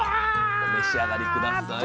お召し上がり下さい。